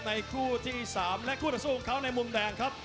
ในคู่ที่สามและคู่ตัดสู้เขาในมุมแดงครับ